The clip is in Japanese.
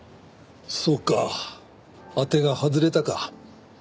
そうか当てが外れたか。